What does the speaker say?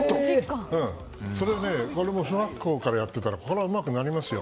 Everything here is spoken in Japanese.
これも小学校からやっていたらそりゃうまくなりますよ。